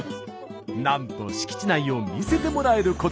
なんと敷地内を見せてもらえることに。